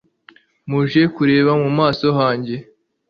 muje kureba mu maso hanjye